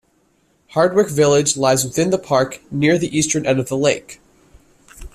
Hardwick Village lies within the park, near the eastern end of the lake.